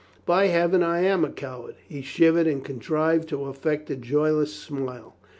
By Heaven, I am a coward." He shivered and contrived to affect a joyless smile.